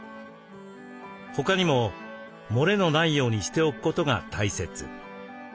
他にも漏れのないようにしておくことが大切。